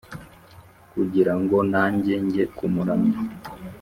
kugira ngo nanjye njye kumuramya